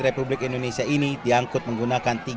republik indonesia ini diangkut menggunakan